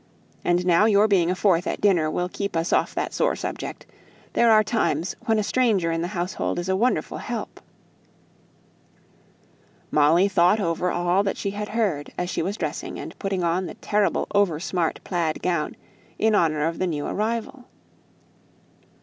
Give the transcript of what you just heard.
And now your being a fourth at dinner will keep us off that sore subject; there are times when a stranger in the household is a wonderful help." Molly thought over all that she had heard, as she was dressing and putting on the terrible, over smart plaid gown in honour of the new arrival.